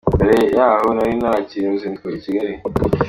Mbere yaho nari naragiriye uruzinduko i Kigali.